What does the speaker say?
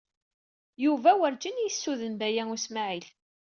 Yuba werǧin i yessuden Baya U Smaɛil.